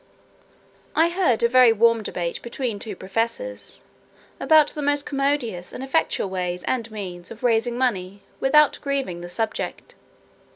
I heard a very warm debate between two professors, about the most commodious and effectual ways and means of raising money, without grieving the subject.